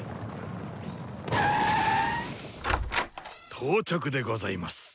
・到着でございます。